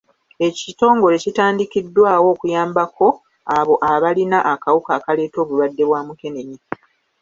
Ebitongole bitandikiddwawo okuyambako abo abalina akawuka akaleeta obulwadde bwa mukenenya.